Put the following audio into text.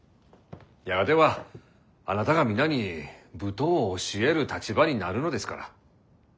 やがてはあなたが皆に舞踏を教える立場になるのですから。